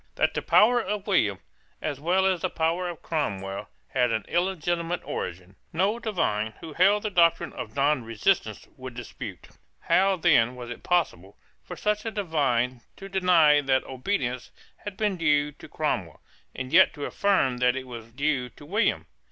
That the power of William, as well as the power of Cromwell, had an illegitimate origin, no divine who held the doctrine of nonresistance would dispute. How then was it possible for such a divine to deny that obedience had been due to Cromwell, and yet to affirm that it was due to William?